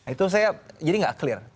itu saya jadi nggak clear